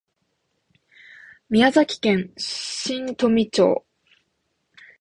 宮崎県新富町